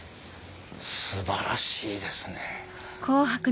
素晴らしいですね。